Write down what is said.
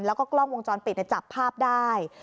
แล้วก็กล้องวงจรปิดจับภาพได้